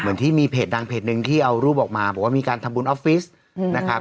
ที่มีเพจดังเพจหนึ่งที่เอารูปออกมาบอกว่ามีการทำบุญออฟฟิศนะครับ